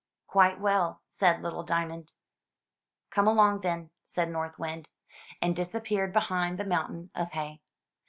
"Quite well," said little Diamond. "Come along, then," said North Wind, and disappeared behind the mountain of hay.